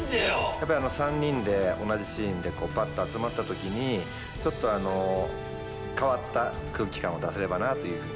やっぱり３人で同じシーンでパッと集まった時にちょっと変わった空気感を出せればなというふうに。